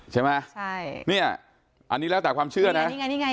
ใช่ไหมใช่เนี่ยอันนี้แล้วแต่ความเชื่อนะนี่ไงนี่ไง